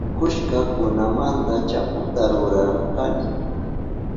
Pukushka kunamanta chaputa rurashkani.